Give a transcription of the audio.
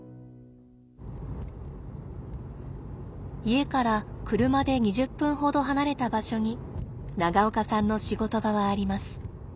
家から車で２０分ほど離れた場所に長岡さんの仕事場はあります。